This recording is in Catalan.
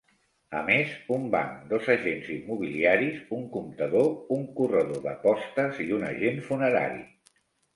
A més, un banc, dos agents immobiliaris, un comptador, un corredor d'apostes i un agent funerari.